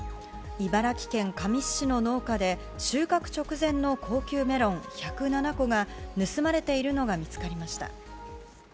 茨城県神栖市の農家で収穫直前の高級メロン１０７個が盗まれているのが見つかりました。